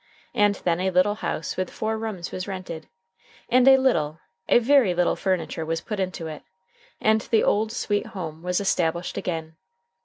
And then a little house with four rooms was rented, and a little, a very little furniture was put into it, and the old sweet home was established again.